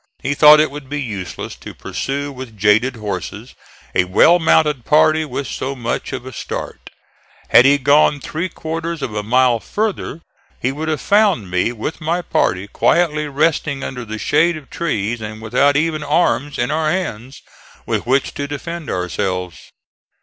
He thought it would be useless to pursue with jaded horses a well mounted party with so much of a start. Had he gone three quarters of a mile farther he would have found me with my party quietly resting under the shade of trees and without even arms in our hands with which to defend ourselves.